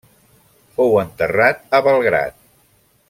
Fou enterrat a Belgrad.